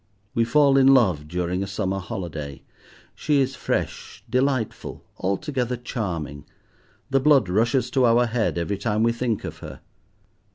We fall in love during a summer holiday; she is fresh, delightful, altogether charming; the blood rushes to our head every time we think of her.